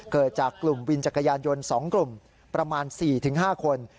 เกิดจากกลุ่มวินจักรยานยนต์๒กลุ่มประมาณ๔๕คน